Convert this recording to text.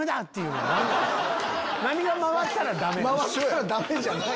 何が回ったらダメなん？